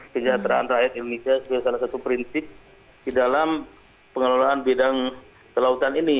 kejahteraan rakyat indonesia sebagai salah satu prinsip di dalam pengelolaan bidang kelautan ini